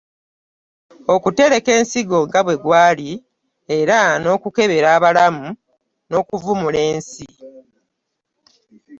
Okutereka ensigo nga bwe gwali, era n’okubeera abalamu n’okuvumula ensi.